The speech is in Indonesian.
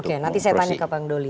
oke nanti saya tanya ke bang doli